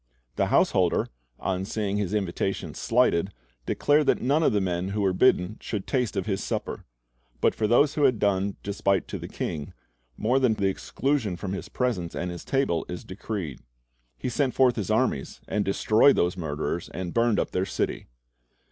The householder, on seeing his invitation slighted, declared that none of the men who were bidden should taste of his supper. But for those who had done despite Based on Matt. 22 ; 1 14 ( 307 ) 3o8 Christ's Object Lessons to the king, more than exclusion from his presence and his table is decreed. "He sent forth his armies, and destroyed those murderers, and burned up their city."